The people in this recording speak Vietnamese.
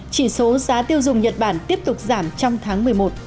chỉ số giá tiêu dùng nhật bản tiếp tục giảm trong tháng một mươi một